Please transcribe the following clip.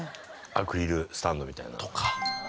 アクリルスタンドみたいな。